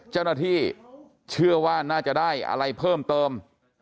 เจ้าหน้าที่เชื่อว่าน่าจะได้อะไรเพิ่มเติม